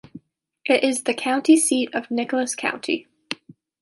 It is the county seat of Nicholas County.